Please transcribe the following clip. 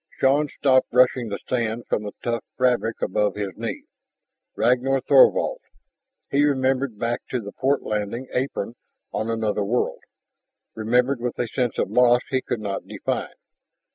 Shann stopped brushing the sand from the tough fabric above his knee. Ragnar Thorvald ... He remembered back to the port landing apron on another world, remembered with a sense of loss he could not define.